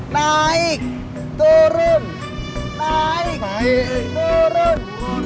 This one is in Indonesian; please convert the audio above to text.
naik turun naik turun